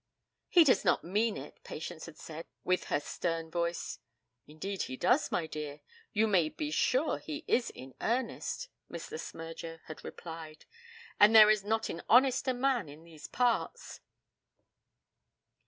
'He does not mean it,' Patience had said with her stern voice. 'Indeed he does, my dear. You may be sure he is in earnest,' Miss Le Smyrger had replied; 'and there is not an honester man in these parts.'